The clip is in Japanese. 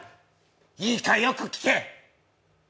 いいか、よく聞け。